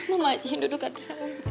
mama ajihin duduk adriana